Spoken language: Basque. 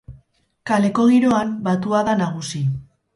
Kaleko giroan, batua da nagusi.